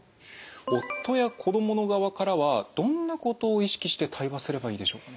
夫や子供の側からはどんなことを意識して対話すればいいでしょうかね？